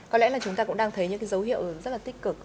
có lẽ là chúng ta cũng đang thấy những cái dấu hiệu rất là tích cực